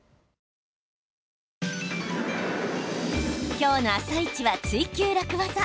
今日の「あさイチ」は「ツイＱ楽ワザ」。